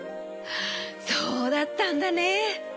そうだったんだね。